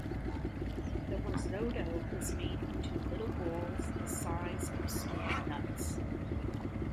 The risotto is made into little balls the size of small nuts.